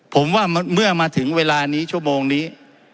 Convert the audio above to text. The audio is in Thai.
ผมว่าเมื่อมาถึงเวลานี้ชั่วโมงนี้